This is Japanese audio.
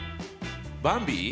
ばんび。